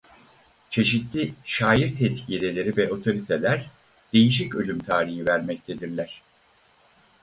Çeşitli şair tezkireleri ve otoriteler değişik ölüm tarihi vermektedirler.